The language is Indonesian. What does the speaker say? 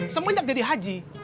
semenjak jadi haji